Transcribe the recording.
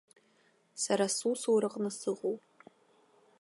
Сара сусураҟны сыҟоуп.